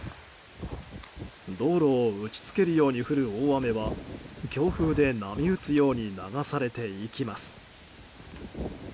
道路を打ち付けるように降る大雨は強風で波打つように流されていきます。